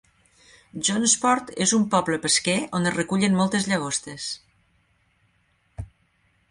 Jonesport és un poble pesquer on es recullen moltes llagostes.